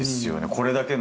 これだけの。